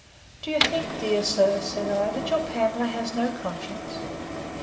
Do you think, my dear sir, said I, that your Pamela has no conscience?